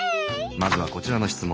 まずはこちらの質問。